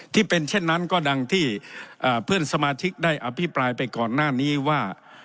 ที่เป็นเช่นนั้นก็ดังที่เพื่อนสมาชิกได้อภิปรายไปก่อนหน้านี้ว่า